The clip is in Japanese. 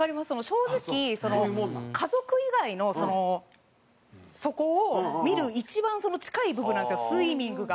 正直家族以外のそこを見る一番近い部分なんですよスイミングが。